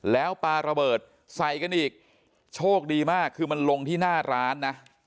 แล้วปลาระเบิดใส่กันอีกโชคดีมากคือมันลงที่หน้าร้านนะ